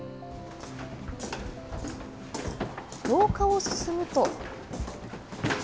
廊下を進むと。